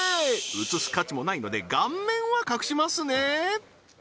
映す価値もないので顔面は隠しますね